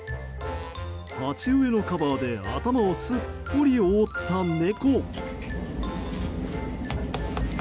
鉢植えのカバーで頭をすっぽり覆った猫。